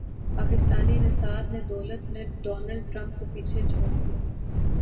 پاکستانی نژاد نے دولت میں ڈونلڈ ٹرمپ کو پیچھے چھوڑ دیا